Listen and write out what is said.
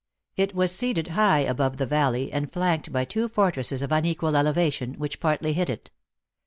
It was seated high above the valley, and flanked by two fortresses of unequal elevation, which partly hid it.